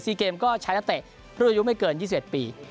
ซีเกมก็ใช้นาเตะเพราะอายุไม่เกิน๒๑ปี